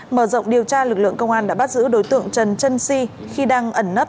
mở rộng điều tra lực lượng công an đã bắt giữ đối tượng trần chân si khi đang ẩn nấp